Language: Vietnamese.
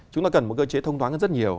chúng ta cần một cơ chế thông toán rất nhiều